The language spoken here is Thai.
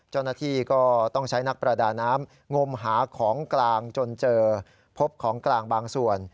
เจ้าหน้าที่ก็ต้องใช้นักประดาน้ำงมหาของกลางจนเจอพบของกลางบางส่วน